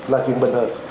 là chuyện bình thường